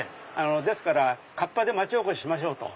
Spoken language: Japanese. ですからカッパで町おこししましょうと。